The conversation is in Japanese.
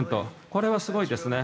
これはすごいですね。